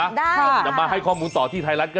จะมาให้ข้อมูลต่อที่ไทยรัฐก็